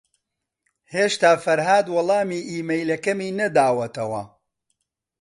ھێشتا فەرھاد وەڵامی ئیمەیلەکەمی نەداوەتەوە.